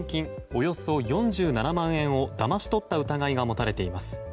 およそ４７万円をだまし取った疑いが持たれています。